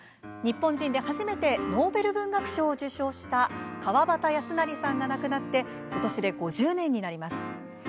日本人で初めてノーベル文学賞を受賞した川端康成さんが亡くなってことしで５０年になります。